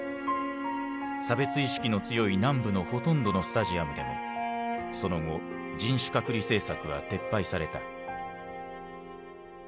差別意識の強い南部のほとんどのスタジアムでもその後人種隔離政策は撤廃された。